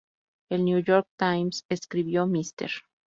El New York Times escribió: "Mr.